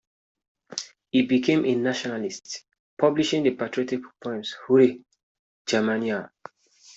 He became a nationalist, publishing the patriotic poems Hurrah, Germania!